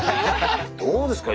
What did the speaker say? どうですか？